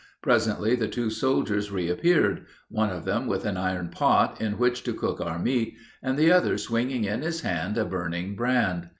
Presently the two soldiers reappeared, one of them with an iron pot in which to cook our meat, and the other swinging in his hand a burning brand.